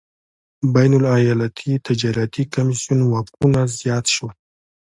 بین الایالتي تجارتي کمېسیون واکونه زیات شول.